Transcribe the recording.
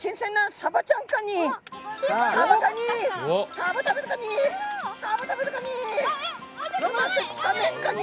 サバ食べるカニ。